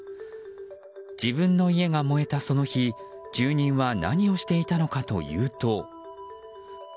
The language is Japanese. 自分の家が燃えたその日住人は何をしていたのかというと。